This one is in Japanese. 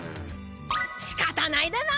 しかたないだな！